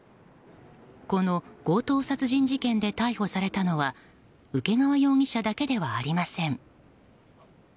この強盗殺人事件で逮捕されたのは請川容疑者だけではありません。